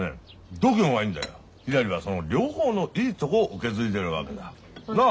ひらりはその両方のいいとこを受け継いでるわけだ。なあ？